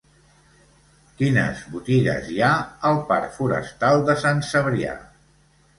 Quines botigues hi ha al parc Forestal de Sant Cebrià?